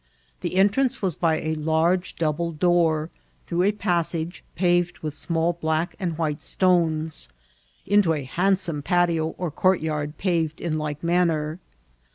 The entrance was by a large double door, through a passage paved with small black and white stones, into a handsome patio cht court yard paved in like manner.